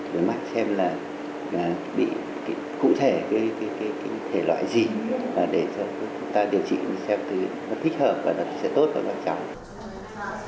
để mặt xem là bị cụ thể cái thể loại gì để cho chúng ta điều trị xem nó thích hợp và nó sẽ tốt cho các cháu